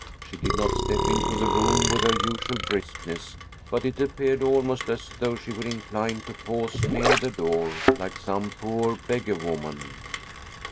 She did not step into the room with her usual briskness, but it appeared almost as though she were inclined to pause near the door, like some poor beggarwoman.